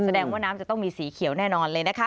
แสดงว่าน้ำจะต้องมีสีเขียวแน่นอนเลยนะคะ